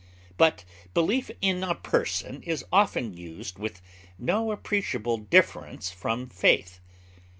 But belief in a person is often used with no appreciable difference from faith.